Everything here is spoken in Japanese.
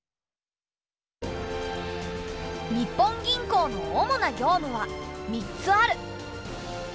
日本銀行の主な業務は３つある。